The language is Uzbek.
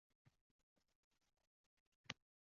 Balki inson tabiati shunaqadir.